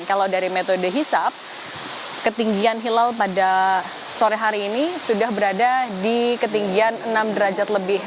kalau dari metode hisap ketinggian hilal pada sore hari ini sudah berada di ketinggian enam derajat lebih